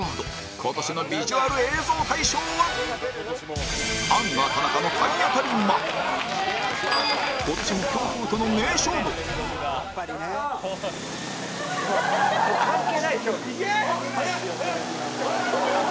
今年のビジュアル映像大賞はアンガ田中の体当たりマン今年も強風との名勝負有吉：いけ！